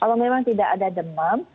kalau memang tidak ada demam